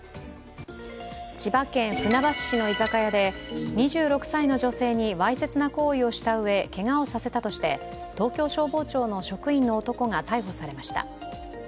千葉県船橋市の居酒屋で２６歳の女性にわいせつな行為をしたうえけがをさせたとして東京消防庁の職員の男が逮捕されました。